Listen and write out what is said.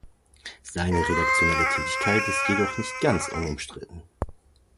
Seine redaktionelle Tätigkeit ist jedoch nicht ganz unumstritten.